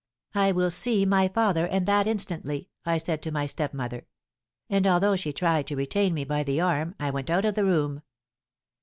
'I will see my father, and that instantly!' I said to my stepmother. And although she tried to retain me by the arm, I went out of the room.